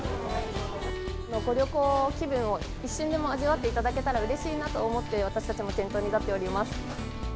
ご旅行気分を、一瞬でも味わっていただけたらうれしいなと思って、私たちも店頭に立っております。